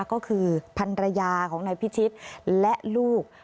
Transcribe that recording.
ก็คือพันรยาของนายพิชิตและลูก